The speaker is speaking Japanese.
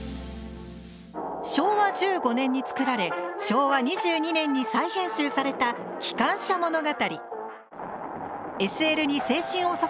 昭和１５年に作られ昭和２２年に再編集された「機関車物語」。